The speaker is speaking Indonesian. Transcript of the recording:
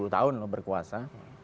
sepuluh tahun berkuasa